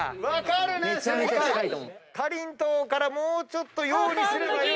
かりんとうからもうちょっと洋に。